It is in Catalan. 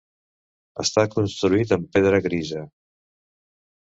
Està construït en pedra grisa.